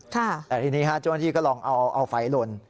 แต่ทีนี้เจ้าหน้าที่ก็ลองเอาไฟหล่น